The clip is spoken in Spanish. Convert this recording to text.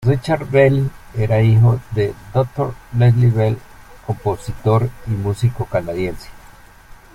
Richard Bell era hijo de Dr. Leslie Bell, compositor y músico canadiense.